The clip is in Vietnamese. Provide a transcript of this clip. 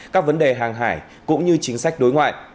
các vấn đề hàng hải cũng như chính sách đối ngoại